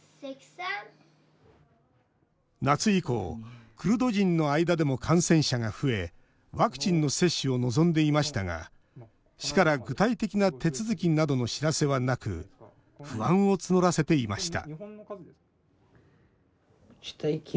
夏以降、クルド人の間でも感染者が増えワクチンの接種を望んでいましたが市から具体的な手続きなどの知らせはなく不安を募らせていました